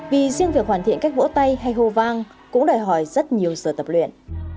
vì riêng việc hoàn thiện cách vỗ tay hay hô vang cũng đòi hỏi rất nhiều giờ tập luyện